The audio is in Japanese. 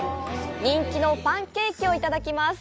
人気のパンケーキをいただきます。